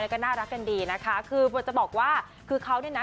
แล้วก็น่ารักกันดีนะคะคือผมจะบอกว่าคือเขาเนี่ยนะ